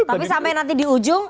tapi sampai nanti di ujung